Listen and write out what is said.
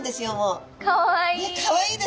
かわいい。